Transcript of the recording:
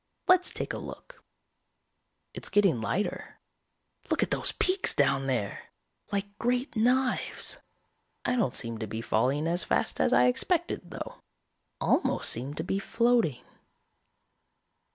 Let's take a look. "It's getting lighter. Look at those peaks down there! Like great knives. I don't seem to be falling as fast as I expected though. Almost seem to be floating.